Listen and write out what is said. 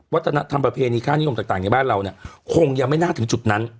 วัฒนธรรมประเพณีค่านิยมต่างในบ้านเราเนี่ยคงยังไม่น่าถึงจุดนั้น